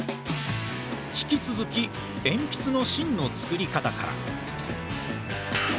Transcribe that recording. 引き続きえんぴつの芯の作り方から。